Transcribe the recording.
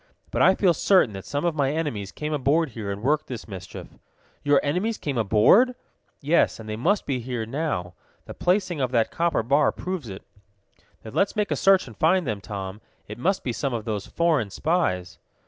"But I feel certain that some of my enemies came aboard here and worked this mischief." "Your enemies came aboard?" "Yes, and they must be here now. The placing of that copper bar proves it." "Then let's make a search and find them, Tom. It must be some of those foreign spies."